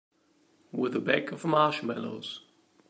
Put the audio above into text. With a bag of marshmallows.